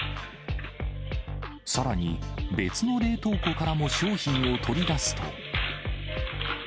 さらに、別の冷凍庫からも商品を取り出すと。